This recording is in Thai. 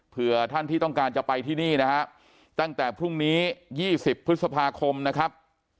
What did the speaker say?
เพื่อท่านที่ต้องการจะไปที่นี่นะฮะตั้งแต่พรุ่งนี้๒๐พฤษภาคมนะครับ